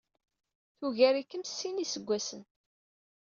Tugar-ikem s sin n yiseggasen.